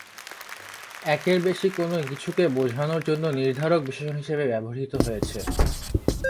একের বেশি কোনো কিছুকে বোঝানোর জন্য নির্ধারক বিশেষণ হিসেবে ব্যবহূত হয়েছে।